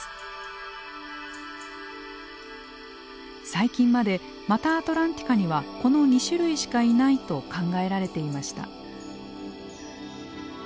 最近までマタアトランティカにはこの２種類しかいないと考えられていました。